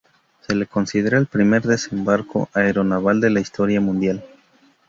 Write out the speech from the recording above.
Se le considera el primer desembarco aeronaval de la historia mundial.